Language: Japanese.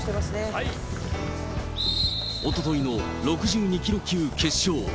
おとといの６２キロ級決勝。